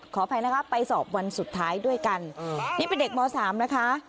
ขออภัยนะคะไปสอบวันสุดท้ายด้วยกันนี่เป็นเด็กม๓นะคะ